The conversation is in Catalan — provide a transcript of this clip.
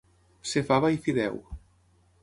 Ser fava i fideu.